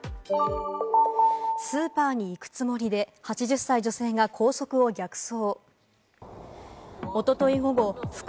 スーパーに行くつもりで、８０歳女性が高速を逆走。